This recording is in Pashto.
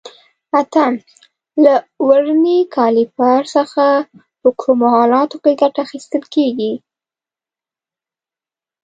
اتم: له ورنیر کالیپر څخه په کومو حالاتو کې ګټه اخیستل کېږي؟